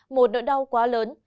một nỗi đau quá lớn